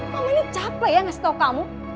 mama ini capek ya ngasih tau kamu